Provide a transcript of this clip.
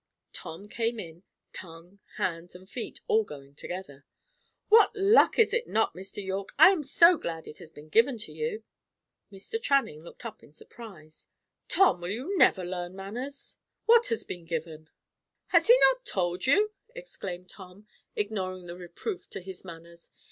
Tom came in, tongue, hands, and feet all going together. "What luck, is it not, Mr. Yorke? I am so glad it has been given to you!" Mr. Channing looked up in surprise. "Tom, you will never learn manners! What has been given?" "Has he not told you?" exclaimed Tom, ignoring the reproof to his manners.